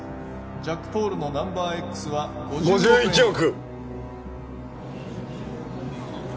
ジャックポールの「ナンバーＸ」は５１億！